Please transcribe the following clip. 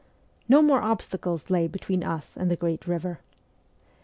No more obstacles lay between us and the great river.